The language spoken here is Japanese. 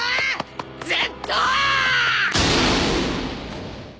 Ｚ！